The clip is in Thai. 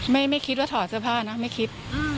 ไม่คิดว่าถอดเสื้อผ้านะไม่คิด